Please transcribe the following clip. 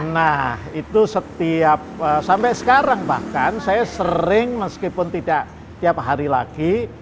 nah itu setiap sampai sekarang bahkan saya sering meskipun tidak tiap hari lagi